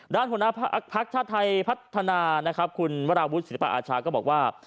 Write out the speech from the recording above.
ด้านหัวหน้าพลักษณ์ชาติไทยพัฒนาคุณวราวุธศิริปะอาชารก็บอกว่า